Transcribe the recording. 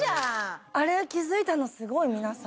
あれ気付いたのすごい皆さん。